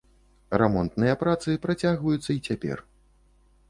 Рамонтныя працы працягваюцца й цяпер.